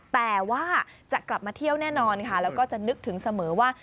แต่ว่าจะกลับมาเที่ยวแน่นอนค่ะแล้วก็จะนึกถึงเสมอว่า